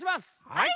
はい！